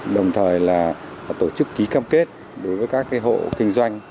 đồng thời là tổ chức ký cam kết đối với các hộ kinh doanh